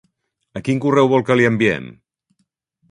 A quin correu vol que li enviem?